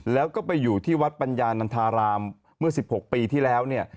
แล้วก็ไปอยู่ที่วัดปัญญานันทารามเมื่อ๑๖ปีที่แล้วเนี่ย